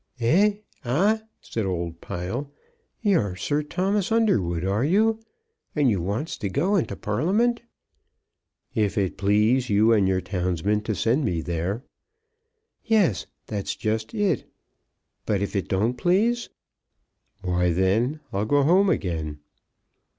"Eh; ah;" said old Pile; "you're Sir Thomas Underwood, are you? And you wants to go into Parliament?" "If it please you and your townsmen to send me there." "Yes; that's just it. But if it don't please?" "Why, then I'll go home again."